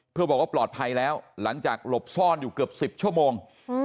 เพื่อบอกว่าปลอดภัยแล้วหลังจากหลบซ่อนอยู่เกือบ๑๐ชั่วโมง